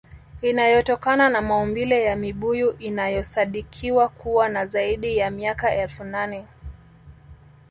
Inayotokana na maumbile ya mibuyu inayosadikiwa kuwa na zaidi ya miaka elfu nane